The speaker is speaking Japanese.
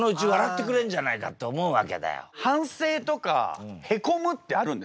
反省とかへこむってあるんですか？